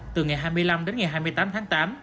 từ ngày hai mươi năm đến ngày hai mươi tám tháng tám